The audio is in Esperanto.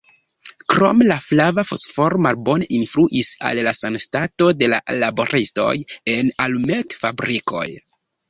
Krome, la flava fosforo malbone influis al la sanstato de la laboristoj en alumetfabrikoj.